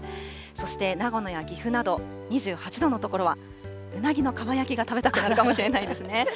そして長野や岐阜など、２８度の所はうなぎのかば焼きが食べたくなるかもしれないですね。